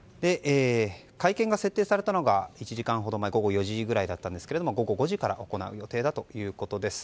会見が設定されたのが１時間前午後４時くらいだったんですが午後５時から行う予定だということです。